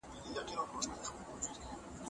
حکومت له شتمنو خلګو څخه مرسته وغوښته.